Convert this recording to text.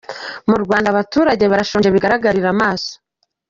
Mu Rwanda abaturage barashonje bigaragarira amaso.